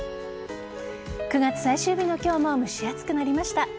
９月最終日の今日も蒸し暑くなりました。